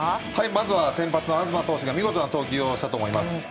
まずは先発の東投手が見事な投球をしたと思います。